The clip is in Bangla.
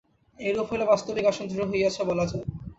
এইরূপ হইলে বাস্তবিক আসন দৃঢ় হইয়াছে, বলা যায়।